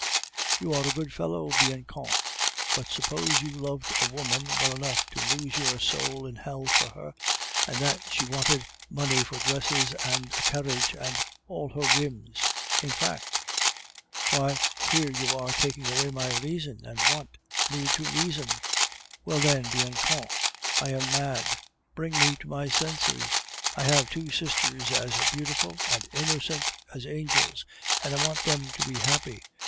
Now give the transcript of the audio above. "You are a good fellow, Bianchon. But suppose you loved a woman well enough to lose your soul in hell for her, and that she wanted money for dresses and a carriage, and all her whims, in fact?" "Why, here you are taking away my reason, and want me to reason!" "Well, then, Bianchon, I am mad; bring me to my senses. I have two sisters as beautiful and innocent as angels, and I want them to be happy.